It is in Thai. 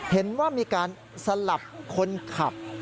เห็นว่ามีการสลับคนขับ